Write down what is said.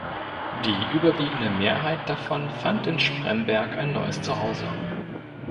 Die überwiegende Mehrheit davon fand in Spremberg ein neues Zuhause.